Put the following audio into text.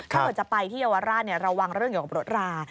ถ้าเกิดจะไปที่เยาวราชระวังเรื่องเกี่ยวกับรถรา